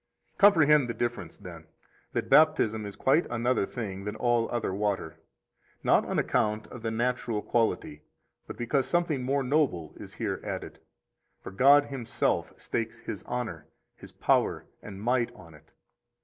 17 Comprehend the difference, then, that Baptism is quite another thing than all other water; not on account of the natural quality but because something more noble is here added; for God Himself stakes His honor, His power and might on it.